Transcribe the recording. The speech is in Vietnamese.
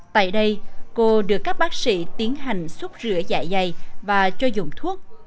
tại đây cô được các bác sĩ tiến hành xúc rửa dạ dày và cho dùng thuốc